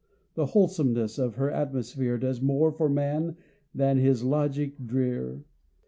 The wholesomeness of her atmosphere Does more for man than his logic drear.